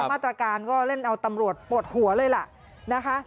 มาตรการก็เล่นเอาตำรวจปวดหัวเลยล่ะนะคะ